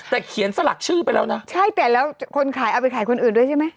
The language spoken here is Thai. แต่เขียนสลักชื่อไปแล้วนะใช่แต่แล้วคนขายเอาไปขายคนอื่นด้วยใช่ไหม